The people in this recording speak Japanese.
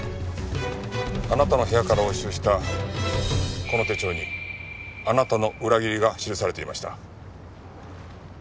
あなたの部屋から押収したこの手帳にあなたの裏切りが記されていました。